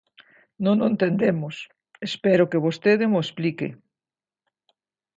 Non o entendemos, espero que vostede mo explique.